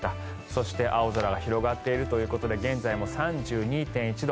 そして青空が広がっているということで現在も３２．１度。